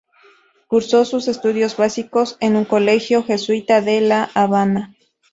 Cursó sus estudios básicos en un colegio jesuita de La Habana.